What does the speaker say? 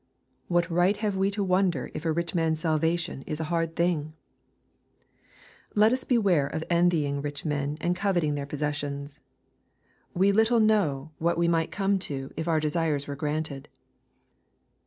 What right have we to wonder is a rich man's salvatian is a hard thing ? Let us beware of envying rich men and coveting theii possessions We little know what we might come to if 12* 274 EXPOSITORY THOUGHTS. our desires were granted.